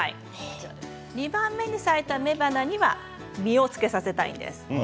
２番目に咲いた雌花には実をつけさせたいんです。